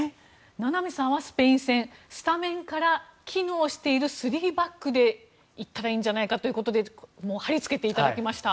名波さんはスペイン戦スタメンから機能している３バックでいったらいいんじゃないかということで貼り付けていただきました。